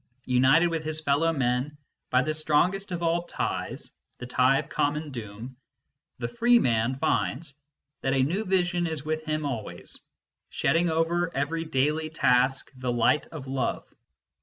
United with his fellow men by the strongest of all ties, the tie of a common doom, the free man finds that a new vision is with him always, shedding over every daily task the light of love.